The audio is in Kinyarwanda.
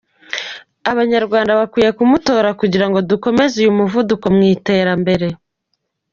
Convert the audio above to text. Abanyarwanda bakwiye kumutora kugira ngo dukomeze uyu muvuduko mu iterambere.